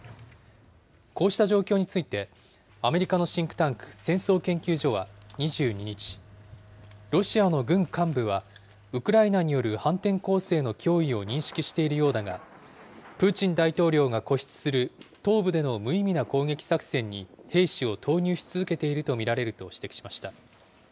こうした状況について、アメリカのシンクタンク戦争研究所は２２日、ロシアの軍幹部はウクライナによる反転攻勢の脅威を認識しているようだが、プーチン大統領が固執する東部での無意味な攻撃作戦に兵士を投入し続けていると見られると指摘しました。